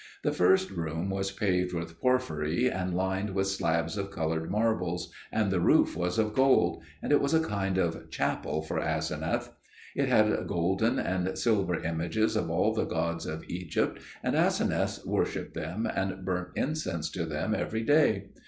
The first room was paved with porphyry and lined with slabs of coloured marbles, and the roof was of gold: and it was a kind of chapel for Aseneth. It had golden and silver images of all the gods of Egypt, and Aseneth worshipped them and burnt incense to them every day.